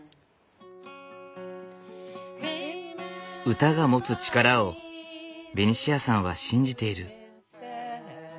歌が持つ力をベニシアさんは信じている。